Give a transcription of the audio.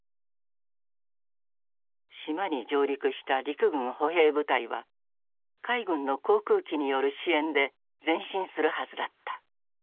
島に上陸した陸軍歩兵部隊は海軍の航空機による支援で前進するはずだった。